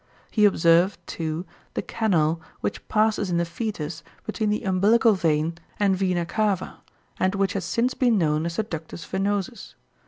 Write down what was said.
He observed, too, the canal which passes in the fœtus between the umbilical vein and vena cava, and which has since been known as the ductus venosus.